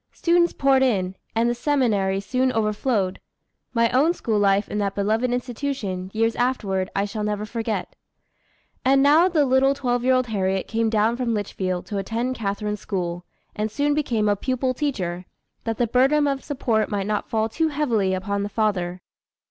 Students poured in, and the seminary soon overflowed. My own school life in that beloved institution, years afterward, I shall never forget. And now the little twelve year old Harriet came down from Litchfield to attend Catharine's school, and soon become a pupil teacher, that the burden of support might not fall too heavily upon the father.